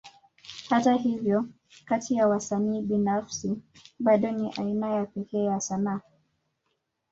Hata hivyo, kati ya wasanii binafsi, bado ni aina ya pekee ya sanaa.